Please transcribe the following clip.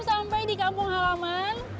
sampai di kampung halaman